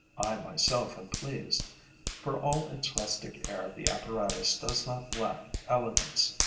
I myself am pleased. For all its rustic air, the apparatus does not lack elegance.